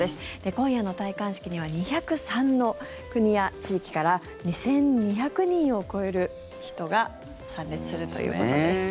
今夜の戴冠式には２０３の国や地域から２２００人を超える人が参列するということです。